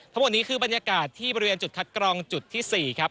ทั้งหมดนี้คือบรรยากาศที่บริเวณจุดคัดกรองจุดที่๔ครับ